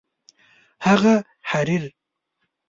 هغه حریر